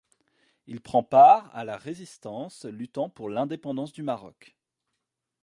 Il prend part à la résistance luttant pour l'indépendance du Maroc.